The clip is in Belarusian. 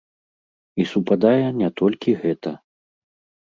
І супадае не толькі гэта.